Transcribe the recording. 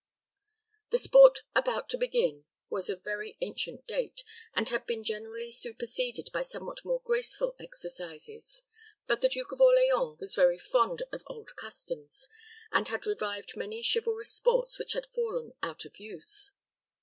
The sport about to begin was of very ancient date, and had been generally superseded by somewhat more graceful exercises; but the Duke of Orleans was very fond of old customs, and had revived many chivalrous sports which had fallen out of use.